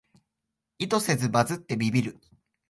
意図せずバズってビビる